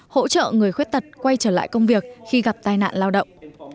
hỗ trợ người khuyết tật quay trở lại công việc khi gặp tai nạn lao động